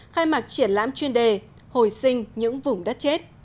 khai mạc triển lãm chuyên đề hồi sinh những vùng đất chết